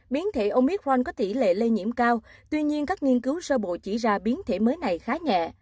biến thể omitrank có tỷ lệ lây nhiễm cao tuy nhiên các nghiên cứu sơ bộ chỉ ra biến thể mới này khá nhẹ